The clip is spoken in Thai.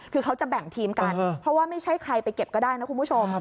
คือเขาจะแบ่งทีมกันเพราะว่าไม่ใช่ใครไปเก็บก็ได้นะคุณผู้ชม